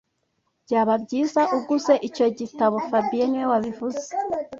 Byaba byiza uguze icyo gitabo fabien niwe wabivuze